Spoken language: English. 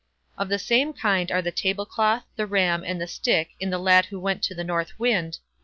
Of the same kind are the tablecloth, the ram, and the stick in "the Lad who went to the North Wind", No.